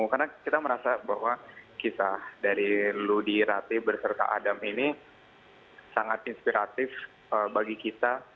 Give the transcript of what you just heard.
karena kita merasa bahwa kisah dari ludi ratih berserta adam ini sangat inspiratif bagi kita